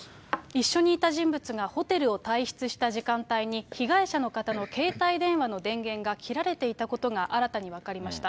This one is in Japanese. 一緒にいた人物がホテルを退室した時間帯に、被害者の方の携帯電話の電源が切られていたことが新たに分かりました。